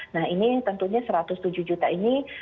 nah ini tentunya satu ratus tujuh juta ini